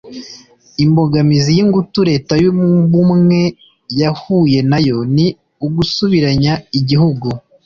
imbogamizi yingutu Leta y’ Ubumwe yahuye nayo ni ugusubiranya igihugu